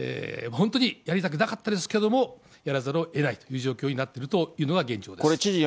本当にやりたくなかったですけれども、やらざるをえないという状況になっているというのが現状です。